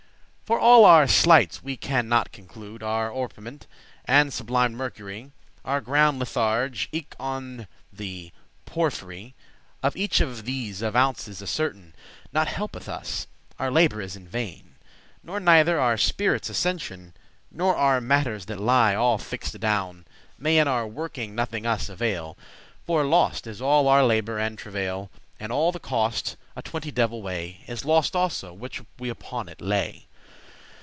For all our sleightes we can not conclude. Our orpiment, and sublim'd mercury, Our ground litharge* eke on the porphyry, *white lead Of each of these of ounces a certain,* *certain proportion Not helpeth us, our labour is in vain. Nor neither our spirits' ascensioun, Nor our matters that lie all fix'd adown, May in our working nothing us avail; For lost is all our labour and travail, And all the cost, a twenty devil way, Is lost also, which we upon it lay.